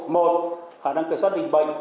một khả năng kiểm soát dịch bệnh